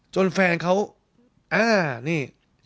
แฟนเขาอ่านี่